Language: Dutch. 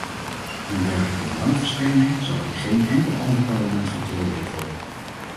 Een dergelijke belangenverstrengeling zou in geen enkel ander parlement getolereerd worden.